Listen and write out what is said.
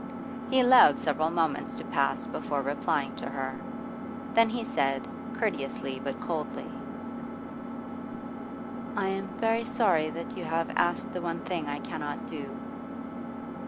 He allowed several moments to pass before replying to her. Then he said, courteously but coldly: 'I am very sorry that you have asked the one thing I cannot do.